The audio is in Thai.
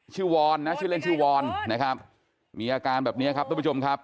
วอนนะชื่อเล่นชื่อวอนนะครับมีอาการแบบนี้ครับทุกผู้ชมครับ